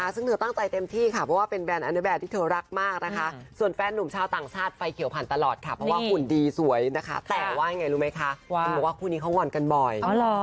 เจ้าต่างชาติไฟเขียวพันธ์ตลอดค่ะว่าหุ่นดีสวยนะคะแต่ว่ารู้ไหมกันบ่อย